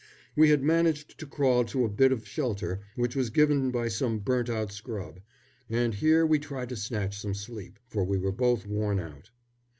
We had managed to crawl to a bit of shelter which was given by some burnt out scrub, and here we tried to snatch some sleep, for we were both worn out.